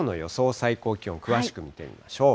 最高気温、詳しく見てみましょう。